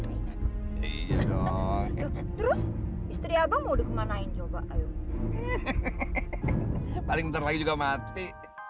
istri abang mau kemanain coba paling terlalu juga mati